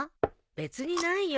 別にないよ。